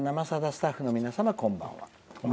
スタッフの皆様、こんばんは。